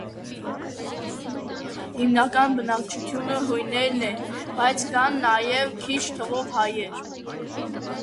Հիմնական բնակչությունը հույներն են, բայց կան նաեւ քիչ թվով հայեր։